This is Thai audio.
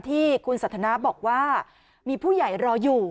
ที่คุณสันทนาบอกว่ามีผู้ใหญ่รออยู่